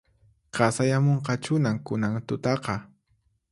Qasayamunqachuhina kunan tutaqa